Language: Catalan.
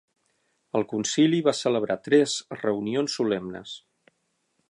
El concili va celebrar tres reunions solemnes.